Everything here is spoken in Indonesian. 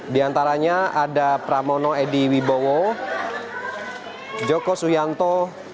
di antaranya ada pramono edy wibowo joko suyanto